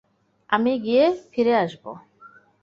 আমি গিয়ে ফিরে আসবো।